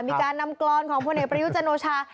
มีการนำกรอนของพลเอกประยุจันโอชา